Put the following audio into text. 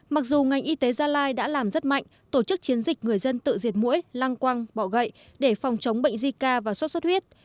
mặc dù ngành y tế gia lai đã làm rất mạnh tổ chức chiến dịch người dân tự diệt mũi lăng quang bỏ gậy để phòng chống bệnh zika và sốt xuất huyết